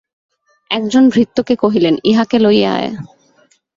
একজন ভৃত্যকে কহিলেন, ইহাকে লইয়া আয়।